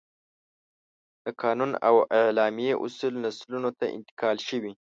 د قانون او اعلامیه اصول نسلونو ته انتقال شوي.